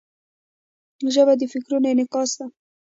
ژبه د فکرونو انعکاس ده.